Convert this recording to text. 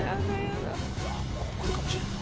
ここくるかもしれんな。